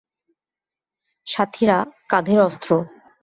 সাথীরা, কাধের অস্ত্র!